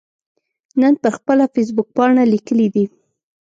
نن پر خپله فیسبوکپاڼه لیکلي دي